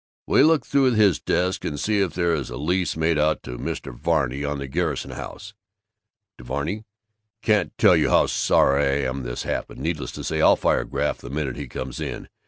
"Will you look through his desk and see if there is a lease made out to Mr. Varney on the Garrison house?" To Varney: "Can't tell you how sorry I am this happened. Needless to say, I'll fire Graff the minute he comes in.